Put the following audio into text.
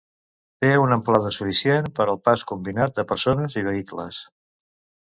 Té una amplada suficient per al pas combinat de persones i vehicles.